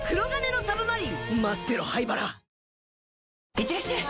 いってらっしゃい！